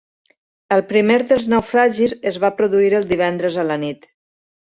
El primer dels naufragis es va produir el divendres a la nit.